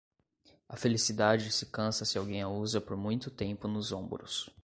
A felicidade se cansa se alguém a usa por muito tempo nos ombros.